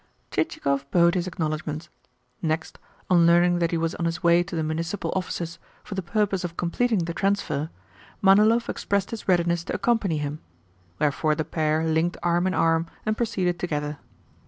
Chichikov bowed his acknowledgements. Next, on learning that he was on his way to the municipal offices for the purpose of completing the transfer, Manilov expressed his readiness to accompany him; wherefore the pair linked arm in arm and proceeded together.